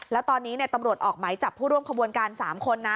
แล้วตอนนี้ตำรวจออกไหมจับผู้ร่วมขบวนการ๓คนนะ